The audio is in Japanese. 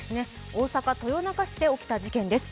大阪豊中市で起きた事件です。